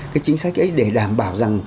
cái chính sách ấy để đảm bảo rằng